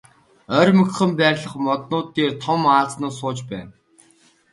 Ойрмогхон байрлах моднууд дээр том том аалзнууд сууж байна.